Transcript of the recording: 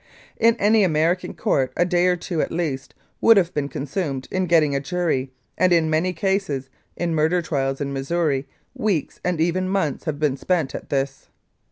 "In any American Court a day or two, at least, would have been consumed in getting a jury, and in many cases, in murder trials in Missouri, weeks and even months have been spent at this.